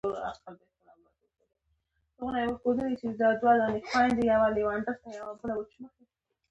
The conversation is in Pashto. لکه لیشمان رنګ او ګیمزا لو رایټ.